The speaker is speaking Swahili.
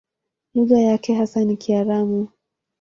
Lugha yake hasa ni Kiaramu.